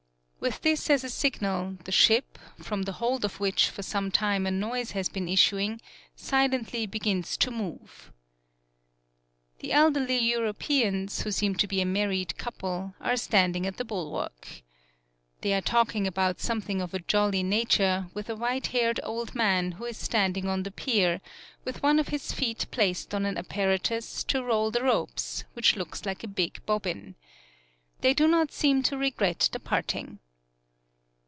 With this as a signal, the ship, from the hold of which for some time a noise has been issuing, si lently begins to move. The elderly Europeans, who seem to be a married couple, are standing at the bulwark. They are talking about some thing of a jolly nature with a white haired old man who is standing on the pier, with one of his feet placed on an apparatus, to roll the ropes, which looks like a big bobbin. They do not seem to regret the parting.